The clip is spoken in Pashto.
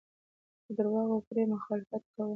د درواغو او فریب مخالفت کول.